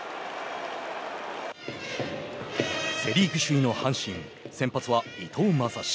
セ・リーグ首位の阪神先発は伊藤将司。